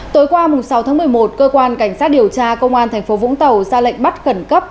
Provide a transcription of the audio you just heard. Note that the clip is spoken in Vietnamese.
tối qua sáu tháng một mươi một cơ quan cảnh sát điều tra công an thành phố vũng tàu ra lệnh bắt khẩn cấp